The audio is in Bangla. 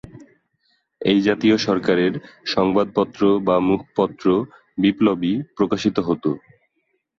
এই জাতীয় সরকারের সংবাদপত্র বা মুখপত্র "বিপ্লবী" প্রকাশিত হত।